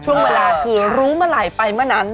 ช่วงเวลาคือรู้เมื่อไหร่ไปเมื่อนั้น